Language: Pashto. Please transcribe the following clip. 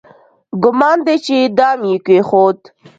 ګومان دی چې دام یې کېښود.